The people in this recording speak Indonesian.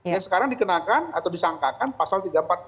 yang sekarang dikenakan atau disangkakan pasal tiga ratus empat puluh